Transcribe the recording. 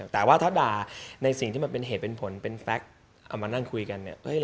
แต่ว่าถ้าด่าในสิ่งที่มันเป็นเหตุเป็นผลเป็นแฟล็คเอามานั่งคุยกันเนี่ย